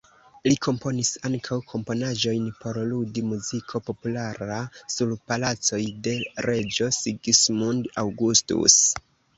Li komponis ankaŭ komponaĵojn por ludi, muziko populara sur palacoj de reĝo Sigismund Augustus.